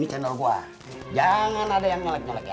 ini cendol gue jangan ada yang ngelek ngelek ya